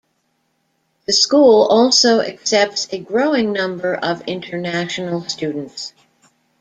The school also accepts a growing number of international students.